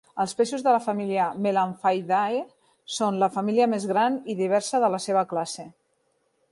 Els peixos de la família "Melamphaidae" són la família més gran i diversa de la seva classe.